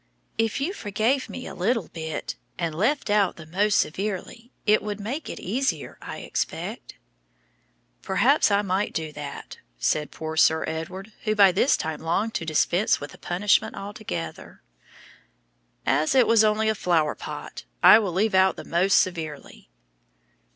If you forgave me a little bit, and left out the 'most severely,' it would make it easier, I expect." "Perhaps I might do that," said poor Sir Edward, who by this time longed to dispense with the punishment altogether; "as it was only a flower pot, I will leave out the 'most severely.'"